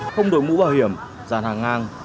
không đổi mũ bảo hiểm dàn hàng ngang